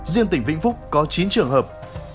riêng tỉnh vĩnh phúc có chín trường hợp